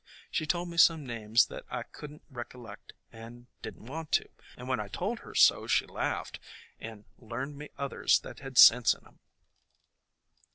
She told me some names that I could n't recollect and did n't want to, and when I told her so she laughed, and learned me others that had sense in 'em.